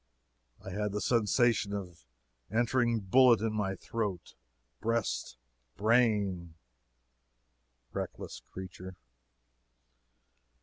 I had the sensation of an entering bullet in my throat, breast, brain." Reckless creature!